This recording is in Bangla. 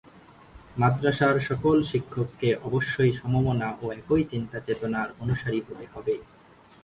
মাদরাসার সকল শিক্ষককে অবশ্যই সমমনা ও একই চিন্তা চেতনার অনুসারী হতে হবে।